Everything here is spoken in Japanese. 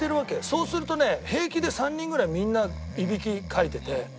そうするとね平気で３人ぐらいみんなイビキかいてて。